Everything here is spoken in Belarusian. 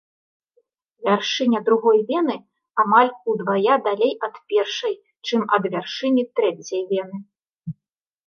Вяршыня другой вены амаль удвая далей ад першай, чым ад вяршыні трэцяй вены.